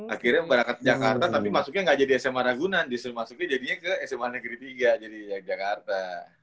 akhirnya berangkat ke jakarta tapi masuknya nggak jadi sma ragunan justru masuknya jadinya ke sma negeri tiga jadi jakarta